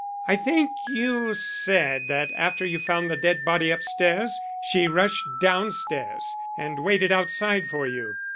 I think you said that after you found the dead body upstairs she rushed downstairs and waited outside for you.